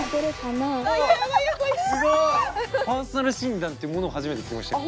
パーソナル診断っていうものを初めて聞きました。